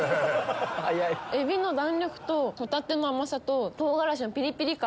エビの弾力とホタテの甘さと唐辛子のピリピリ感！